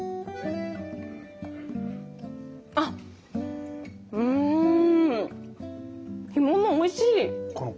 あっうん干物おいしい。